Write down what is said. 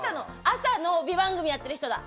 朝の帯番組やってる人だ。